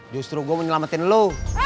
justru gue mau nyelamatin lo